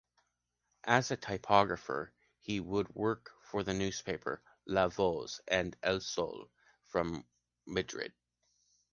As a typographer he would work for the newspapers “La Voz” and “El Sol” from Madrid.